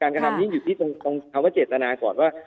กระทำนี้อยู่ที่ตรงคำว่าเจตนาก่อนว่า